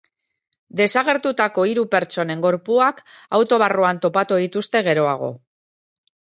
Desagertutako hiru pertsonen gorpuak auto barruan topatu dituzte geroago.